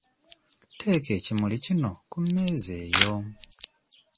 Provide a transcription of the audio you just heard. Teeka ekimuli kino ku mmeeza eyo.